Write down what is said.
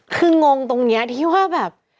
คืองงตรงนี้ที่ว่าแบบ